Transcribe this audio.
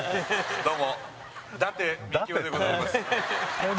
どうもダテみきおでございます。